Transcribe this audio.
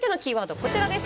こちらです！